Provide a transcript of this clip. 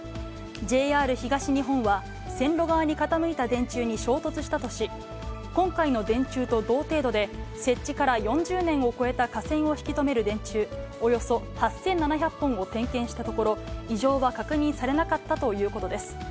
ＪＲ東日本は、線路側に傾いた電柱に衝突したとし、今回の電柱と同程度で設置から４０年を超えた架線を引き止める電柱、およそ８７００本を点検したところ、異常は確認されなかったということです。